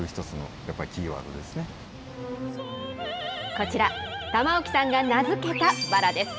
こちら、玉置さんが名付けたバラです。